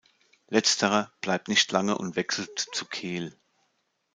Letzterer bleibt nicht lange und wechselt zu Keel.